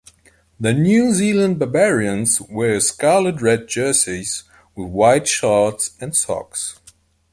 The New Zealand Barbarians wear scarlet red jerseys with white shorts and socks.